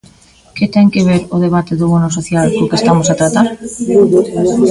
¿Que ten que ver o debate do bono social co que estamos a tratar?